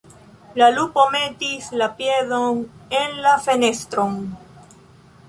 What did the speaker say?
La lupo metis la piedon en la fenestron.